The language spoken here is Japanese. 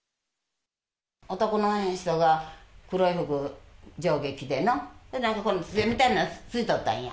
男の人が黒い服、上下着てな、つえみたいなのをついとったんや。